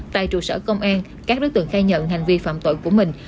tại trụ sở công an các đối tượng khai nhận hành vi phạm tội của mình